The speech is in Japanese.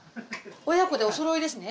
親子でお揃いですね。